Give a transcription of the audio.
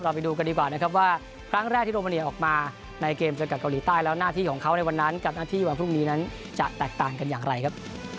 ไปดูกันดีกว่านะครับว่าครั้งแรกที่โรมาเนียออกมาในเกมเจอกับเกาหลีใต้แล้วหน้าที่ของเขาในวันนั้นกับหน้าที่วันพรุ่งนี้นั้นจะแตกต่างกันอย่างไรครับ